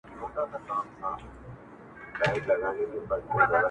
جــــذبــــــه د مــحــبــــت يـــــــــــې,